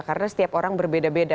karena setiap orang berbeda beda